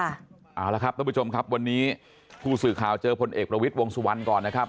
เอาละครับท่านผู้ชมครับวันนี้ผู้สื่อข่าวเจอพลเอกประวิทย์วงสุวรรณก่อนนะครับ